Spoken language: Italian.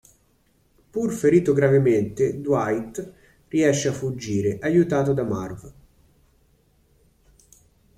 Pur ferito gravemente, Dwight riesce a fuggire, aiutato da Marv.